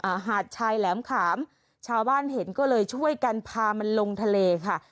หาดชายแหลมขามชาวบ้านเห็นก็เลยช่วยกันพามันลงทะเลค่ะ